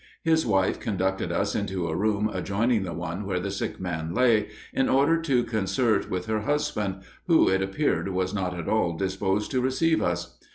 His wife conducted us into a room adjoining the one where the sick man lay, in order to concert with her husband, who, it appeared, was not at all disposed to receive us.